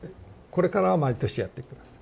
これからは毎年やっていきます。